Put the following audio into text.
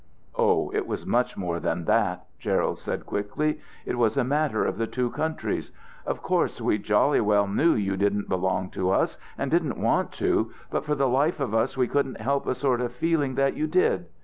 "Oh, it was much more than that," Gerald said quickly. "It was a matter of the two countries. Of course, we jolly well knew you didn't belong to us, and didn't want to, but for the life of us we couldn't help a sort of feeling that you did.